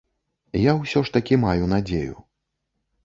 Я ўсё ж такі маю надзею.